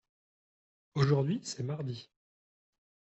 Aujourd’hui c’est mardi.